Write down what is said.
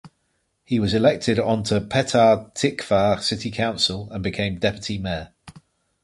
He was elected onto Petah Tikva city council and became deputy mayor.